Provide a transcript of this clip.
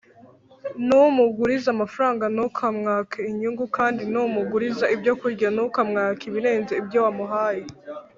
numuguriza amafaranga ntukamwake inyungu, kandi numuguriza ibyokurya ntukamwake ibirenze ibyo wamuhaye